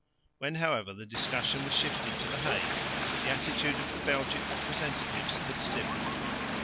When, however, the discussion was shifted to the Hague, the attitude of the Belgic representatives had stiffened.